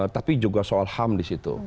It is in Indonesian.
tapi juga soal ham disitu